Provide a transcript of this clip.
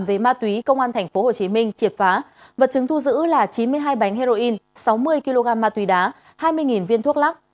về ma túy công an tp hcm triệt phá vật chứng thu giữ là chín mươi hai bánh heroin sáu mươi kg ma túy đá hai mươi viên thuốc lắc